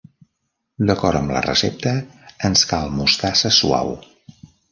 D'acord amb la recepte, ens cal mostassa suau.